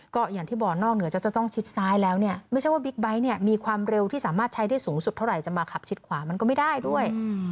ก็อย่างที่บอกนอกเหนือจะต้องชิดซ้ายแล้วเนี่ยไม่ใช่ว่าบิ๊กไบท์เนี่ยมีความเร็วที่สามารถใช้ได้สูงสุดเท่าไหร่จะมาขับชิดขวามันก็ไม่ได้ด้วย